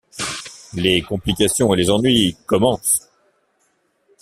Les complications et les ennuis commencent...